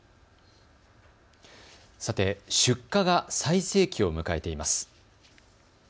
さて出荷が最盛期を迎えています。